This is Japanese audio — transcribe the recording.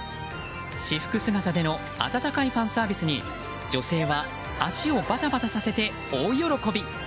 私服姿での温かいファンサービスに女性は足をバタバタさせて大喜び。